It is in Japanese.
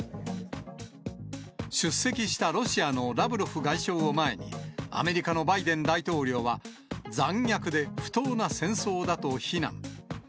出席したロシアのラブロフ外相を前に、アメリカのバイデン大統領は、残虐で不当な戦争だと非難。